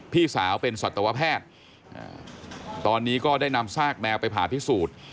พี่สาวเป็นสัตวแพทย์ตอนนี้ก็ได้นำซากแมวไปผ่าพิสูจน์